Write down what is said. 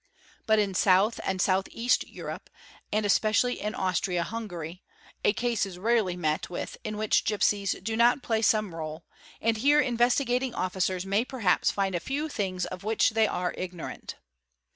3ut in South and South East Europe, and especially in Austria dungary, a case is rarely met with in which gipsies do not play some dle, and here Investigating Officers may perhaps find a few things of vhich they are ignorant.